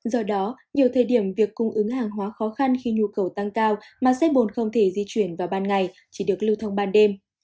do đó nhiều thời điểm việc cung ứng hàng hóa khó khăn khi nhu cầu tăng cao mà xe bồn không thể di chuyển vào ban ngày chỉ được lưu thông ban đêm